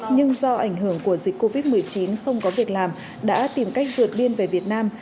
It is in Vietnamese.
nhưng do ảnh hưởng của dịch covid một mươi chín không có việc làm đã tìm cách vượt biên về việt nam